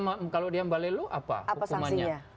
mbalelu apa hukumannya apa sangsinya